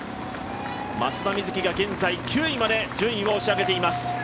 松田瑞生が現在、９位にまで順位を押し上げています。